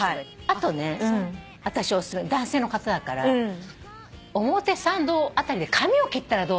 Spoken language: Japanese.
あとね私お勧め男性の方だから表参道あたりで髪を切ったらどうだろうな。